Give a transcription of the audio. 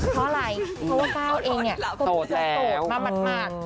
เพราะอะไรเพราะว่าก้าวเองเนี่ยโสดแล้วมาก